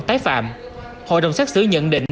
tái phạm hội đồng xét xử nhận định